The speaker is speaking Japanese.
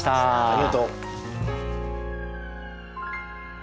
ありがとう。